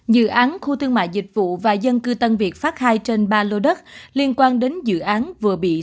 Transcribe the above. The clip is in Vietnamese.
dự án khu thương mại dịch vụ và dân cư tân việt phát hai trên ba lô đất liên quan đến dự án vừa bị